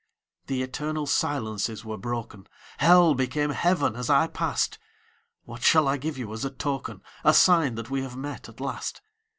The eternal silences were broken; Hell became Heaven as I passed. What shall I give you as a token, A sign that we have met, at last?